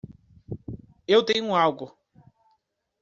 Eu tenho algo!